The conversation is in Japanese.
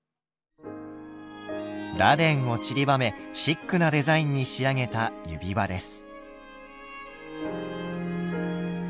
螺鈿をちりばめシックなデザインに仕上げた指輪です。